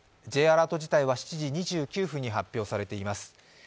Ｊアラート自体は７月２９分に発表されています。